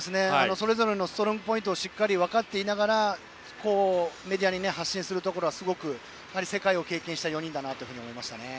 それぞれのストロングポイントを分かっていながらメディアに発信するところはやはり世界を経験した４人だなと思いましたね。